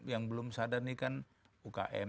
yang belum sadar ini kan ukm